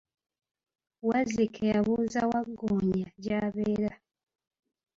Wazzike yabuuza Waggoonya gy'abeera.